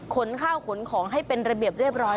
ขนข้าวขนของให้เป็นระเบียบเรียบร้อย